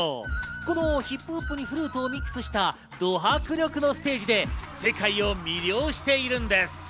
このヒップホップにフルートをミックスさせたど迫力のステージで世界を魅了しているんです。